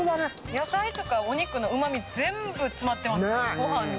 野菜とかお肉のうまみ、全部詰まってます、ご飯に。